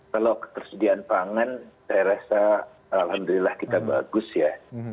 kalau ketersediaan pangan saya rasa alhamdulillah kita bagus ya